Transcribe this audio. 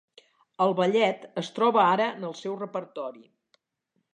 El ballet es troba ara en el seu repertori.